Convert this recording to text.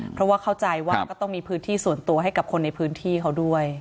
เพราะว่าเข้าใจว่าก็ต้องมีพื้นที่ส่วนตัวให้กับคนในพื้นที่เขาด้วย